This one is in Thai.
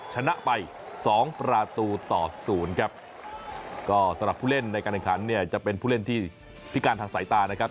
ชนะไปสองประตูต่อศูนย์ครับก็สำหรับผู้เล่นในการแข่งขันเนี่ยจะเป็นผู้เล่นที่พิการทางสายตานะครับ